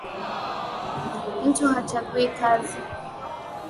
Mtu hachagui kazi